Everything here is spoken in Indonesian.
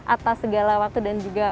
atas segala waktu dan juga